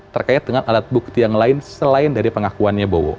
terkait dengan alat bukti yang lain selain dari pengakuannya bowo